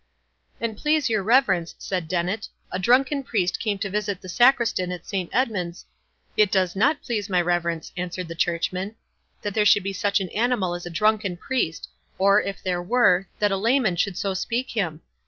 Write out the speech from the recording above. "An please your reverence," said Dennet, "a drunken priest came to visit the Sacristan at Saint Edmund's— " "It does not please my reverence," answered the churchman, "that there should be such an animal as a drunken priest, or, if there were, that a layman should so speak him.